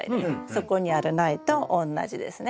そこにある苗と同じですね。